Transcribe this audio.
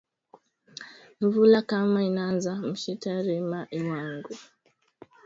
Nvula kama inanza mishita rima lwangu